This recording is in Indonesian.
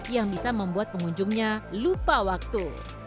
yang bisa membuat pengunjungnya lupa waktu